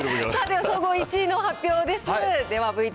さあ、では総合１位の発表です。